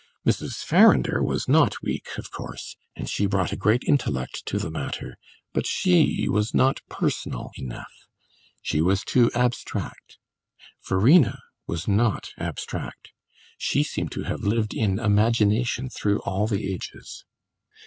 Mrs. Farrinder was not weak, of course, and she brought a great intellect to the matter; but she was not personal enough she was too abstract. Verena was not abstract; she seemed to have lived in imagination through all the ages.